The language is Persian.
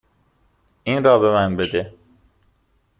این را به من بده.